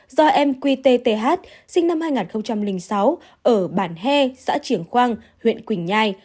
do em quy t t h sinh năm hai nghìn sáu ở bản he xã triềng quang huyện quỳnh nhai